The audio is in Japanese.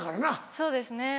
そうですね。